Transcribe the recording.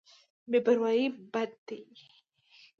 بې پروايي بد دی.